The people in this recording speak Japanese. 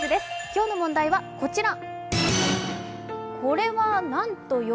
今日の問題はこちら。